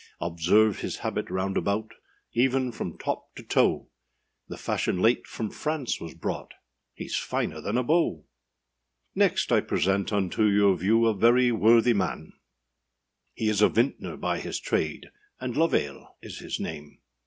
Observe his habit round about,â Even from top to toe; The fashion late from France was brought,â Heâs finer than a beau! Next I present unto your view A very worthy man; He is a vintner, by his trade, And Love ale is his name.